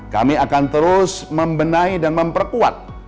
kami akan terus membenahi dan memperkuat